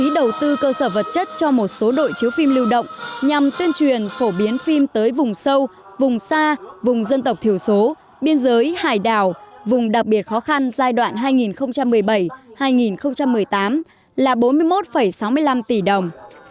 nội dung đầu tư cơ sở vật chất thiết bị chiếu phim ô tô chuyên dùng chiếu bóng trung tâm điện ảnh của các tỉnh thành phố trực thuộc trung ương có điều kiện đặc thù